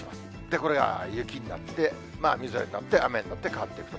これが雪になって、みぞれになって、雨になって変わっていくと。